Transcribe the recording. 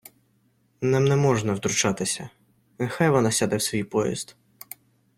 Нам не можна втручатися. Нехай вона сяде в свій поїзд.